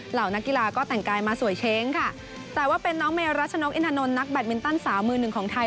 เหล่านักกีฬาก็แต่งกายมาสวยเช้งค่ะแต่ว่าเป็นน้องเมรัชนกอินทานนท์นักแบตมินตันสาวมือหนึ่งของไทย